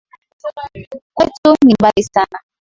Kwetu, ni mbali sana.